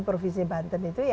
provinsi banten itu ya